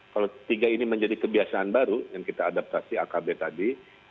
kalau tiga ini menjadi kebiasaan baru yang kita adaptasi akb tadi